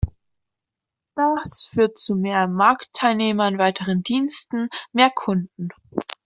Das führt zu mehr Marktteilnehmern, weiteren Diensten, mehr Kunden.